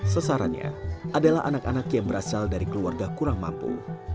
sasarannya adalah anak anak yang berasal dari keluarga kurang mampu